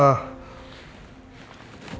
membicarakan ibu andin kan